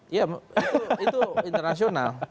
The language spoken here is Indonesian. iya itu internasional